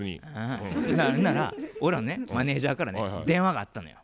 ほんなら俺らのマネージャーからね電話があったのよ。